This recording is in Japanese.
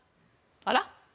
あら？